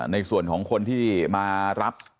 ในส่วนของคนที่มารับ